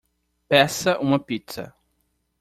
Peça uma pizza.